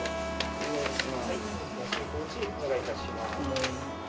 お願い致します。